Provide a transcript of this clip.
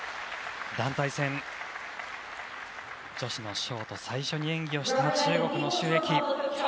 団体戦女子のショート最初に演技をした中国のシュ・エキ。